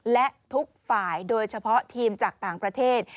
และทุกฝ่ายโดยเฉพาะทีมจากต่างประเทศ